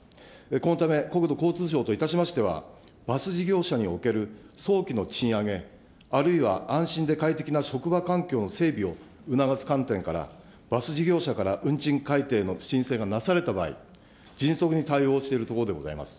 このため、国土交通省といたしましてはバス事業者における早期の賃上げ、あるいは安心で快適な職場環境の整備を促す観点から、バス事業者から運賃改定の申請がなされた場合、迅速に対応しているところでございます。